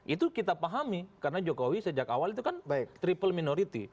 itu kita pahami karena jokowi sejak awal itu kan triple minority